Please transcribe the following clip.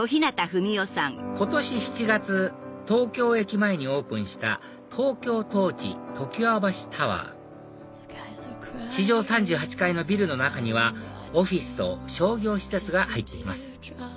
今年７月東京駅前にオープンしたＴＯＫＹＯＴＯＲＣＨ常盤橋タワー地上３８階のビルの中にはオフィスと商業施設が入っています